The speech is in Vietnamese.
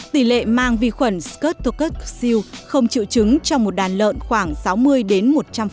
tỷ lệ mang vi khuẩn scutococus không triệu chứng cho một đàn lợn khoảng sáu mươi đến một trăm linh